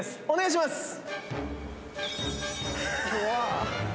お願いします